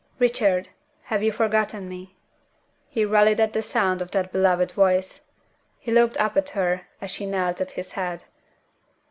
"Richard, have you forgotten me?" He rallied at the sound of that beloved voice. He looked up at her as she knelt at his head.